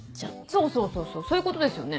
そうそうそうそうそういうことですよね。